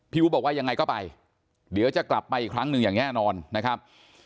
อู๋บอกว่ายังไงก็ไปเดี๋ยวจะกลับมาอีกครั้งหนึ่งอย่างแน่นอนนะครับ